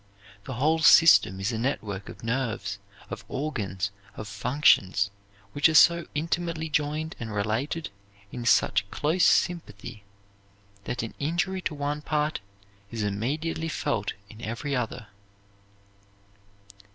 The whole system is a network of nerves, of organs, of functions, which are so intimately joined, and related in such close sympathy, that an injury to one part is immediately felt in every other.